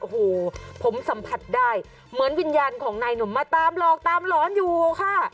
โอ้โหผมสัมผัสได้เหมือนวิญญาณของนายหนุ่มมาตามหลอกตามหลอนอยู่ค่ะ